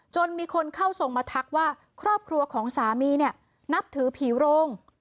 มีคนเข้าส่งมาทักว่าครอบครัวของสามีเนี่ยนับถือผีโรง